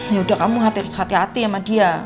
yaudah kamu hati hati sama dia